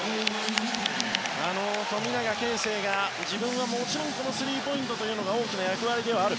富永啓生は自分はもちろんスリーポイントが大きな役割ではある。